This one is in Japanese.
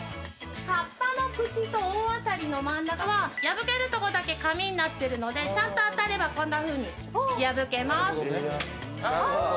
河童の口と大当たりの真ん中は破けるところだけ紙になっているのでちゃんと当たればこんなふうに破けます。